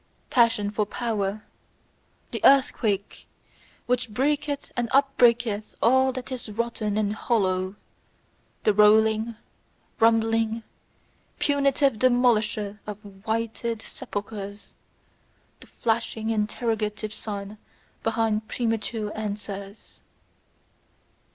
Passion for power: the earthquake which breaketh and upbreaketh all that is rotten and hollow; the rolling, rumbling, punitive demolisher of whited sepulchres; the flashing interrogative sign beside premature answers.